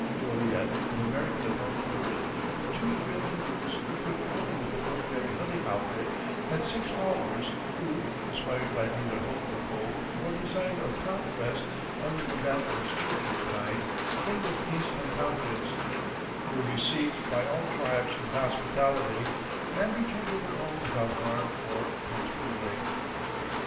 Joliet, an American of humble birth, with two frail canoes equipped only with an ordinary hunting outfit, had six followers who, inspired by neither hope of gold nor desire of conquest other than that of a spiritual kind, came with peace and confidence, were received by all tribes with hospitality, and returned to their own without harm or contumely.